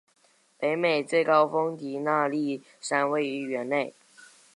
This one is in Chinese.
北美最高峰迪纳利山位于园内。